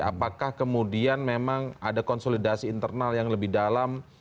apakah kemudian memang ada konsolidasi internal yang lebih dalam